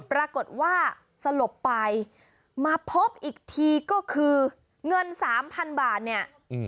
ปรากฏว่าสลบไปมาพบอีกทีก็คือเงินสามพันบาทเนี่ย